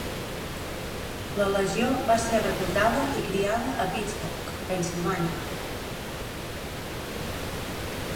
La legió va ser reclutada i criada a Pittsburgh, Pennsilvània.